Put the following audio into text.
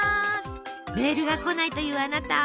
メールが来ないというあなた！